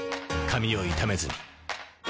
髪を傷めずに。